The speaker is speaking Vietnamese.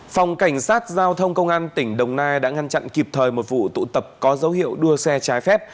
phòng cảnh sát giao thông công an tỉnh đồng nai đã ngăn chặn kịp thời một vụ tụ tập có dấu hiệu đua xe trái phép